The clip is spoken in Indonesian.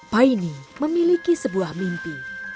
paine memiliki sebuah mimpi